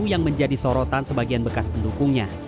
yang menjadi sorotan sebagian bekas pendukungnya